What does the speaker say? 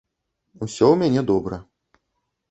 Усё ў мяне добра.